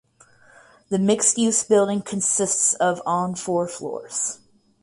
The mixed use building consists of on four floors.